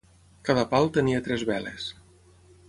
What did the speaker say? Cada pal tenia tres veles.